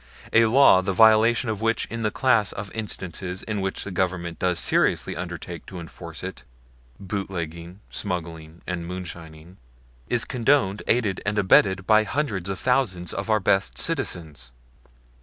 A law the violation of which in the class of instances in which the Government does seriously undertake to enforce it bootlegging, smuggling and moonshining is condoned, aided and abetted by hundreds of thousands of our best citizens?